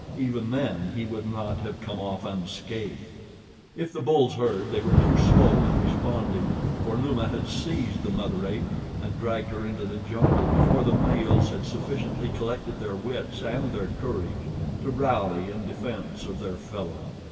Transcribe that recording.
Even then he would not have come off unscathed. If the bulls heard, they were too slow in responding, for Numa had seized the mother ape and dragged her into the jungle before the males had sufficiently collected their wits and their courage to rally in defense of their fellow.